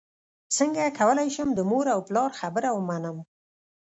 څنګه کولی شم د مور او پلار خبره ومنم